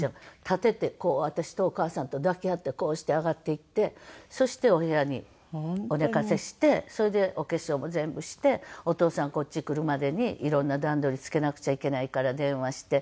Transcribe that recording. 立てて私とお母さんと抱き合ってこうして上がっていってそしてお部屋にお寝かせしてそれでお化粧も全部してお父さんこっち来るまでに色んな段取りつけなくちゃいけないから電話して。